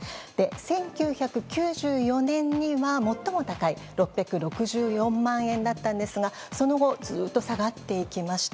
１９９４年には最も高い６６４万円だったんですがその後ずっと下がっていきました。